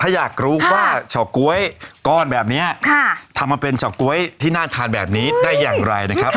ถ้าอยากรู้ว่าเฉาก๊วยก้อนแบบนี้ทำมาเป็นเฉาก๊วยที่น่าทานแบบนี้ได้อย่างไรนะครับ